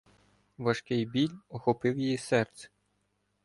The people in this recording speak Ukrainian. Важкий біль охопив її серце.